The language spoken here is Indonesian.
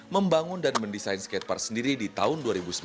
membangun dan mendesain skatepark sendiri di tahun dua ribu sembilan belas